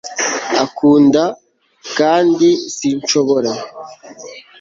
akunda kandi shokora